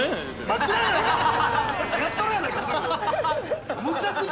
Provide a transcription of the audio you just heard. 真っ黒やないか！